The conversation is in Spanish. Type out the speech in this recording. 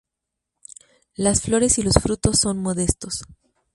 Las flores y los frutos son modestos.